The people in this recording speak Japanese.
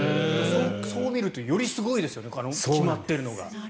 そう見るとよりすごいですよね決まっているのが。